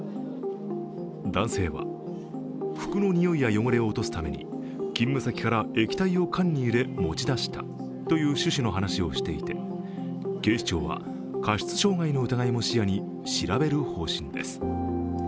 男性は、服のにおいや汚れを落とすために勤務先から液体を缶に入れ持ち出したという趣旨の話をしていて警視庁は過失傷害の疑いも視野に調べる方針です。